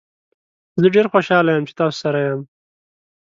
زه ډیر خوشحاله یم چې تاسو سره یم.